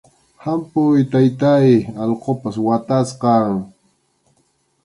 ¡Hampuy, taytáy, allqupas watasqam!